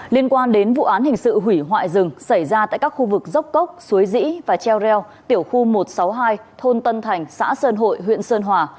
liên quan đến vụ án hình sự hủy hoại rừng xảy ra tại các khu vực dốc cốc suối dĩ và treo reo tiểu khu một trăm sáu mươi hai thôn tân thành xã sơn hội huyện sơn hòa